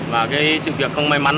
và sự việc không may mắn